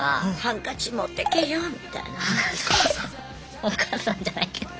お母さんじゃないけど。